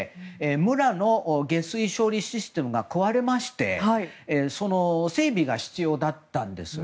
村の下水処理システムが壊れましてその整備が必要だったんですよ。